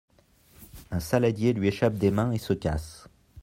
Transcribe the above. Un saladier lui échappe des mains et se casse.